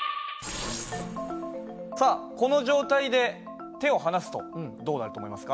さあこの状態で手を離すとどうなると思いますか？